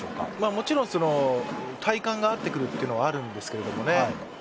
もちろん体感が合ってくるというのはあるんですけどね。